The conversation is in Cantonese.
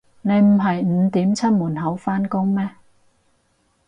你唔係五點出門口返工咩